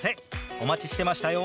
お待ちしてましたよ。